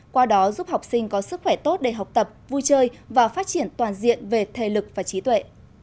qua đó giúp học sinh có sức khỏe tốt để học tập vui chơi và phát triển toàn diện về thể lực và trí tuệ